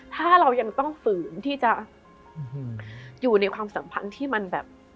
ถ้าเรายังต้องฝืนที่จะอยู่ในความสัมพันธ์ที่มันแบบ